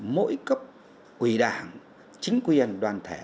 mỗi cấp quỷ đảng chính quyền đoàn thể